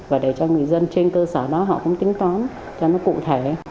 và để cho người dân trên cơ sở đó họ cũng tính toán cho nó cụ thể